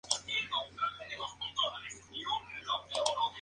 La citada maniobra consistía en fingir un ataque sobre Yazoo Bluffs.